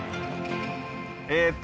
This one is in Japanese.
えっと